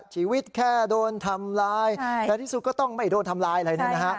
ชีวิตแค่โดนทำร้ายแต่ที่สุดก็ต้องไม่โดนทำลายอะไรเนี่ยนะฮะ